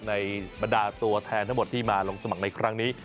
บรรดาตัวแทนทั้งหมดที่มาลงสมัครในครั้งนี้